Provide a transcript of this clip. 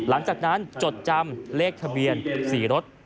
หลังจากนั้นจดจำเลขทะเบียน๔รถ